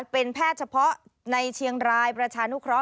เป็นแพทย์เฉพาะในเชียงรายประชานุเคราะ